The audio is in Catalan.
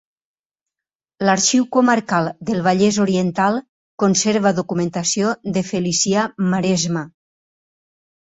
L'Arxiu Comarcal del Vallès Oriental conserva documentació de Felicià Maresma.